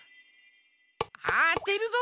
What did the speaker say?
あてるぞ！